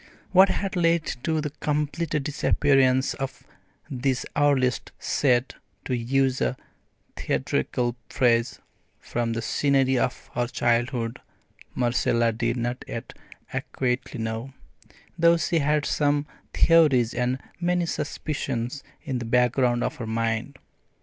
What had led to the complete disappearance of this earliest "set," to use a theatrical phrase, from the scenery of her childhood, Marcella did not yet adequately know, though she had some theories and many suspicions in the background of her mind.